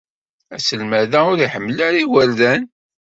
Aselmad-a ur iḥemmel ara igerdan.